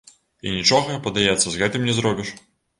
І нічога, падаецца, з гэтым не зробіш.